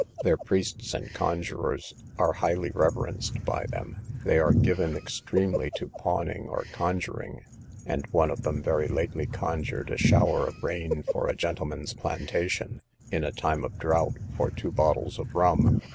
Their priests and conjurors are highly reverenced by them. They are given extremely to pawning or conjuring; and one of them very lately conjured a shower of rain for a gentleman's plantation, in a time of drought, for two bottles of rum.